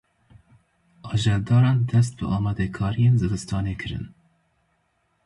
Ajeldaran dest bi amadekariyên zivistanê kirin.